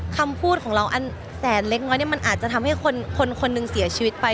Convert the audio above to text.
คำพูดของเราอันแสนเล็กน้อยเนี่ยมันอาจจะทำให้คนคนหนึ่งเสียชีวิตไป